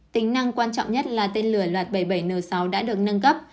tính năng quan trọng nhất là tên lửa bảy mươi bảy n sáu đã được nâng cấp